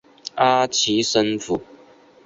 阿奇森府。